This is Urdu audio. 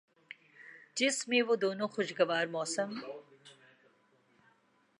جس میں وہ دونوں خوشگوار موسم